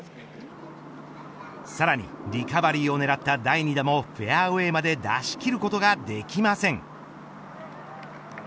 さらにリカバリーを狙った第２打もフェアウェーまで出し切ることができません。